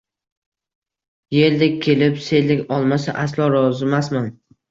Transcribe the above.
Yeldek kelib, seldek olmasa, aslo rozimasman!